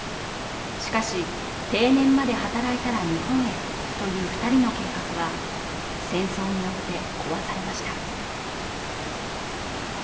しかし、定年まで働いたら２人で日本へという計画は戦争によって壊されました。